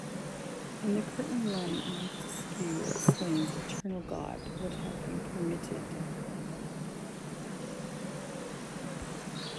In the curtain-line Montesquieu exclaims Eternal God, what have you permitted!...